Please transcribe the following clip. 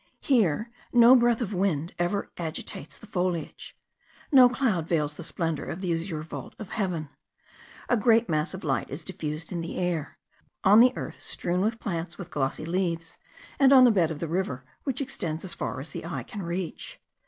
Here no breath of wind ever agitates the foliage, no cloud veils the splendour of the azure vault of heaven; a great mass of light is diffused in the air, on the earth strewn with plants with glossy leaves, and on the bed of the river, which extends as far as the eye can reach.